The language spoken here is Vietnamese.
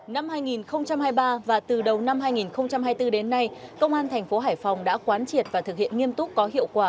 năm hai nghìn hai mươi ba và từ đầu năm hai nghìn hai mươi bốn đến nay công an thành phố hải phòng đã quán triệt và thực hiện nghiêm túc có hiệu quả